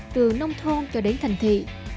từ nông thôn cho đến thành thị